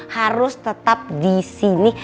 harus tetap di sini